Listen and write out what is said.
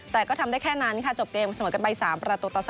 แต่ก็ทำได้แค่นั้นค่ะจบเกมเสมอกันไป๓ประตูต่อ๓